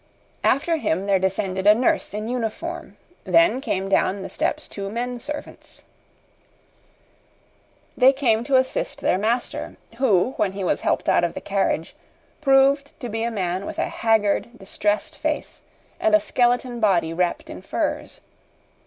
After him there descended a nurse in uniform, then came down the steps two men servants. They came to assist their master, who, when he was helped out of the carriage, proved to be a man with a haggard, distressed face, and a skeleton body wrapped in furs.